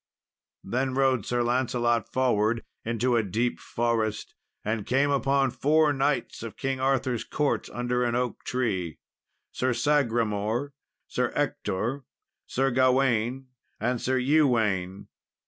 Then rode Sir Lancelot forward into a deep forest, and came upon four knights of King Arthur's court, under an oak tree Sir Sagramour, Sir Ector, Sir Gawain, and Sir Ewaine.